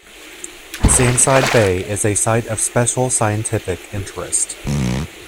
Sandside Bay is a Site of Special Scientific Interest.